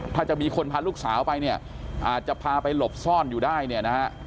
ถ้าจะมีคนพาลูกสาวไปเนี่ยอาจจะพาไปหลบซ่อนอยู่ได้เนี่ยนะฮะ